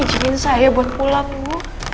izinin saya buat pulang bu